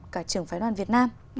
cả trưởng phái đoàn việt nam